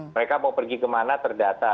mereka mau pergi kemana terdata